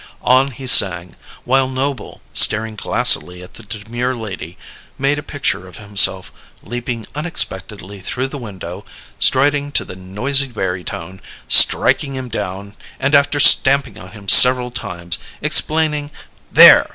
On he sang, while Noble, staring glassily at the demure lady, made a picture of himself leaping unexpectedly through the window, striding to the noisy barytone, striking him down, and after stamping on him several times, explaining: "There!